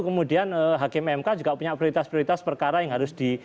kemudian hakim mk juga punya prioritas prioritas perkara yang harus di